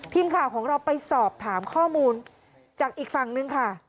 ทีมข่าวของเราไปสอบถามข้อมูลจากอีกฝั่งนึงค่ะ